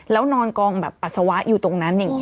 แล้วนอนกองแบบปัสสาวะอยู่ตรงนั้นอย่างนี้